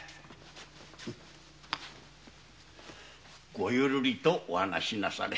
ごゆるりとお話なされ。